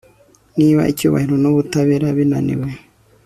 niba icyubahiro n'ubutabera binaniwe